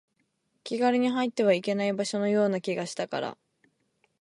気軽に入ってはいけない場所のような気がしたから